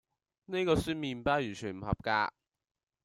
呢個酸麵包完全唔合格